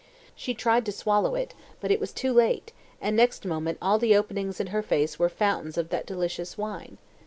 She tried to swallow it, but it was too late, and next moment all the openings in her face were fountains of that delicious wine.